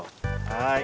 はい。